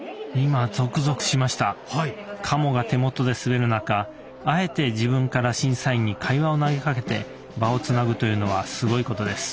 鴨が手元で滑る中あえて自分から審査員に会話を投げかけて場をつなぐというのはすごいことです。